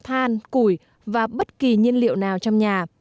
than củi và bất kỳ nhiên liệu nào trong nhà